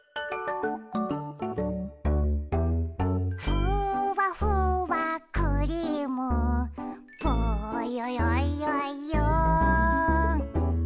「ふわふわクリームぽよよよよん」